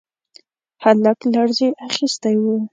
هلک لړزې اخيستی و.